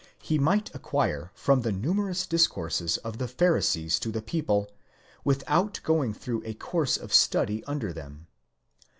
he might acquire from the numerous discourses of the Pharisees: to the people, without going through a course of study under them.